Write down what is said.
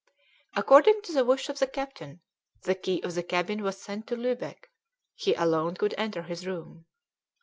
According to the wish of the captain, the key of the cabin was sent to Lubeck; he alone could enter his room.